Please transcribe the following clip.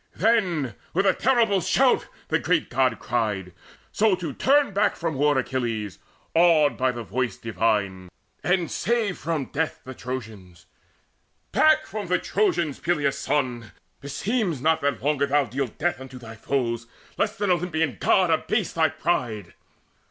Then with a terrible shout the great God cried, So to turn back from war Achilles awed By the voice divine, and save from death the Trojans: "Back from the Trojans, Peleus' son! Beseems not That longer thou deal death unto thy foes, Lest an Olympian God abase thy pride."